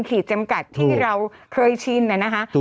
ขีดจำกัดที่เราเคยชินนะคะ